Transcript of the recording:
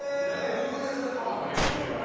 有名なやつはカバーされきってるんで。